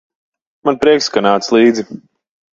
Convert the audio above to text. Man prieks, ka nāc līdzi.